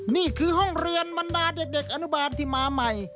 นี่คือห้องเรียนบรรดาเด็กอนุบาลที่มาใหม่